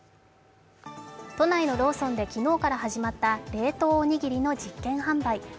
都内のローソンで昨日から始まった冷凍おにぎりの実験販売。